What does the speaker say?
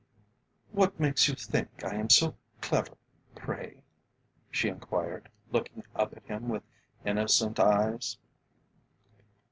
"What makes you think I am so clever, pray?" she enquired, looking up at him with innocent eyes.